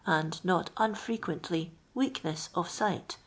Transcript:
and not unfrequ<*r.t1y weakn">s o» si^'ht.